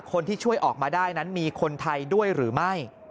คนที่ช่วยออกมาได้นั้นมีคนไทยด้วยหรือไม่